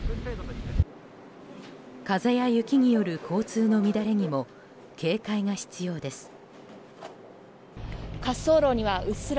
風や雪による交通の乱れにも警戒が必要です。